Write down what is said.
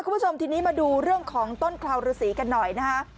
คุณผู้ชมทีนี้มาดูเรื่องของต้นคลาวฤษีกันหน่อยนะฮะ